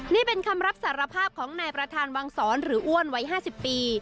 นี่เป็นคำรับสารภาพของนายประธานวังศรหรืออ้วนวัย๕๐ปี